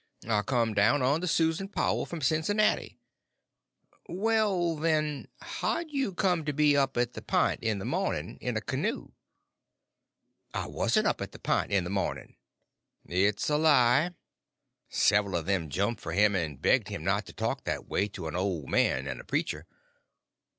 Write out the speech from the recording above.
"I come down on the Susan Powell from Cincinnati." "Well, then, how'd you come to be up at the Pint in the mornin'—in a canoe?" "I warn't up at the Pint in the mornin'." "It's a lie." Several of them jumped for him and begged him not to talk that way to an old man and a preacher.